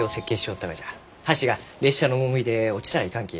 橋が列車の重みで落ちたらいかんき